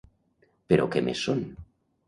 Però què més són?